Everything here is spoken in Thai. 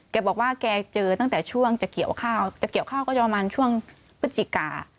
แกบอกว่าแกเจอตั้งแต่ช่วงจะเกี่ยวข้าวจะเกี่ยวข้าวก็จะประมาณช่วงพฤศจิกา